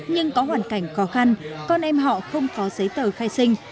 nhưng có hoàn cảnh khó khăn con em họ không có giấy tờ khai sinh